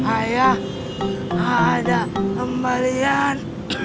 ayah ada kembalian